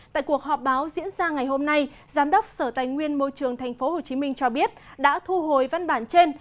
tại cuộc họp báo diễn ra ngày hôm nay giám đốc sở tài nguyên môi trường tp hcm cho biết đã thu hồi văn bản trên